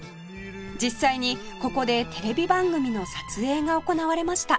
実際にここでテレビ番組の撮影が行われました